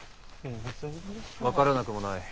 分からなくもない。